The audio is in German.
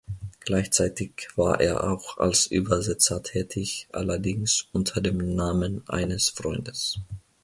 Gleichzeitig war er auch als Übersetzer tätig, allerdings unter dem Namen eines Freundes.